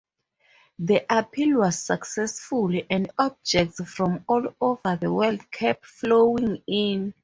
The appeal was successful and objects from all over the world kept flowing in.